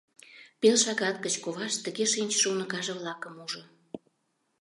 Пел шагат гыч ковашт тыге шинчыше уныкаже-влакым ужо.